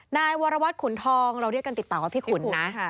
นายวรวัตรขุนทองเราเรียกกันติดปากว่าพี่ขุนนะ